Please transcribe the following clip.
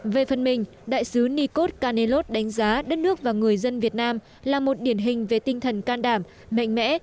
về phần mình đại sứ nikod canellos đánh giá đất nước và người dân việt nam là một điển hình về tinh thần can đảm mạnh mẽ